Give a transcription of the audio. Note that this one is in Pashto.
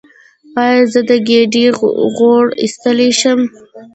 ایا زه د ګیډې غوړ ایستلی شم؟